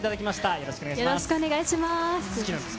よろしくお願いします。